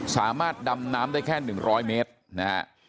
สามารถดำน้ำได้แค่๑๐๐เมตรนะฮะ